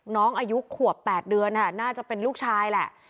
น้องอายุขวบ๘เดือนค่ะน่าจะเป็นลูกชายแหละ